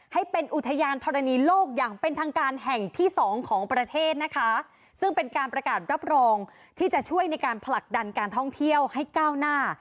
ให้เป็นอุทยานธรณีโลกอย่างเป็นทางการแห่งที่สองของประเทศนะคะซึ่งเป็นการประกาศรับรองที่จะช่วยในการผลักดันการท่องเที่ยวให้ก้าวหน้า